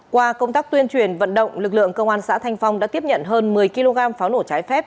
qua công tác tuyên truyền vận động lực lượng công an xã thanh phong đã tiếp nhận hơn một mươi kg pháo nổ trái phép